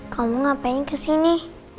kamu ngapain kesini